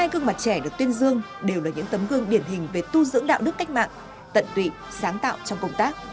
một mươi gương mặt trẻ được tuyên dương đều là những tấm gương điển hình về tu dưỡng đạo đức cách mạng tận tụy sáng tạo trong công tác